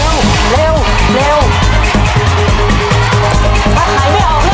ถ้าไขไม่ออกเร็วเปลี่ยนตู้เลยใจดีนะ